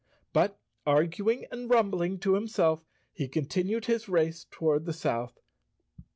But, arguing and rumbling to himself, he continued his race toward the south.